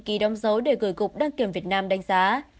ký đóng dấu để gửi cục đăng kiểm việt nam đánh giá